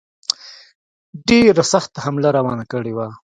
ډېره سخته حمله روانه کړې وه.